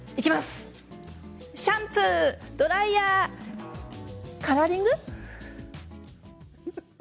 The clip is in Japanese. シャンプー、ドライヤーカラーリング。